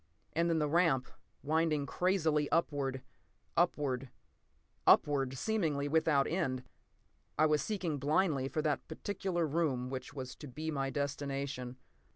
p> And then the ramp, winding crazily upward—upward—upward, seemingly without end. I was seeking blindly for that particular room which was to be my destination.